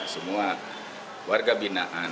semua warga binaan